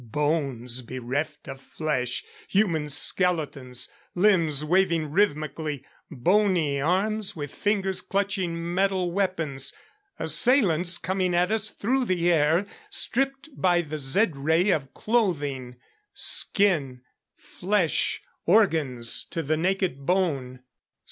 Bones bereft of flesh. Human skeletons! Limbs waving rhythmically. Bony arms, with fingers clutching metal weapons. Assailants coming at us through the air, stripped by the Zed ray of clothing, skin, flesh, organs, to the naked bone.